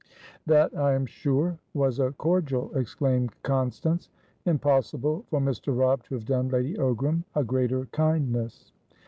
"That, I am sure, was a cordial," exclaimed Constance. "Impossible for Mr. Robb to have done Lady Ogram a greater kindness."